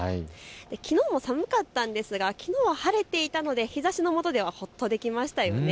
きのうも寒かったですがきのうは晴れていたので日ざしのもとではほっとできましたよね。